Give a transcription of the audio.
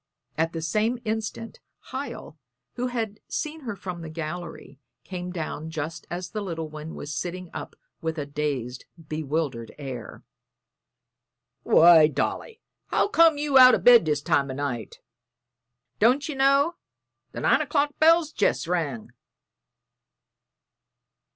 At the same instant Hiel, who had seen her from the gallery, came down just as the little one was sitting up with a dazed, bewildered air. "Why, Dolly, how came you out o' bed this time o' night? Don't ye know the nine o'clock bell's jest rung?"